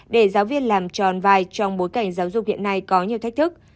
để giáo viên làm tròn vài trong bối cảnh giáo dục hiện nay có nhiều thách thức